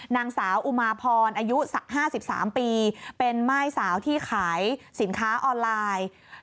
นางสาวอุมาพรอายุ๕๓ปีเป็นม่ายสาวที่ขายสินค้าออนไลน์